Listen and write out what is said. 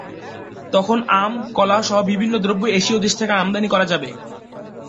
তখন আম, কলা সহ বিভিন্ন দ্রব্য এশীয় দেশ থেকে আমদানি করা যাবে।